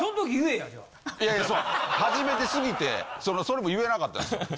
いやいや初めてすぎてそれも言えなかったんすよ。